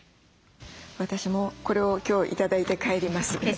私もこれを今日頂いて帰ります。